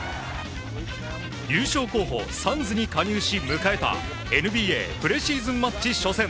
優勝候補、サンズに加入し迎えたＮＢＡプレシーズンマッチ初戦。